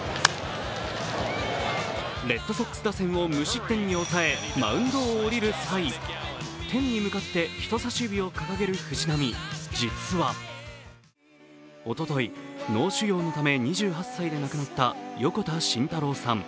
レッドソックス打線を無失点に抑え、マウンドを降りる際、点に向かって人差し指を掲げる藤浪、実はおととい、脳腫瘍のため２８歳で亡くなった横田慎太郎さん。